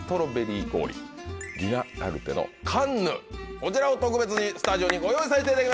こちらを特別にスタジオにご用意させていただきました。